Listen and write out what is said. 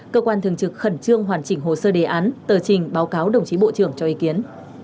cơ quan thường trực khẩn trương hoàn chỉnh hồ sơ đề án tờ trình báo cáo đồng chí bộ trưởng cho ý kiến